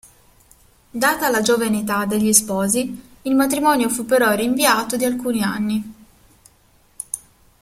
Data la giovane età degli sposi, il matrimonio fu però rinviato di alcuni anni.